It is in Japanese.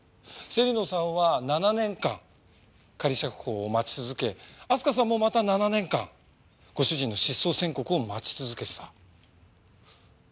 芹野さんは７年間仮釈放を待ち続け明日香さんもまた７年間ご主人の失踪宣告を待ち続けてた。